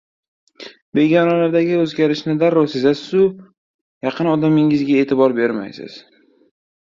Begonalardagi o‘zgarishni darrov sezasiz-u, yaqin odamingizga e’tibor bermaysiz.